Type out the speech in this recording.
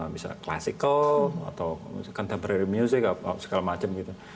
bisa klasikal atau contemporary music atau segala macam gitu